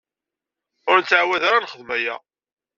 Ur nettɛawad ara ad nexdem aya.